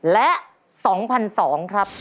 และ๒๒๐๐ครับ